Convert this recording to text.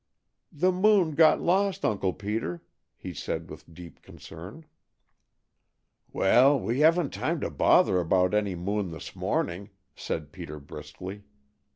"The moon got lost, Uncle Peter," he said with deep concern. "Well, we haven't time to bother about any moon this morning," said Peter briskly.